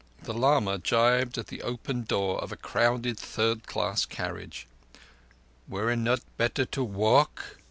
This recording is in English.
The lama jibbed at the open door of a crowded third class carriage. "Were it not better to walk?"